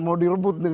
mau dilebut ini kan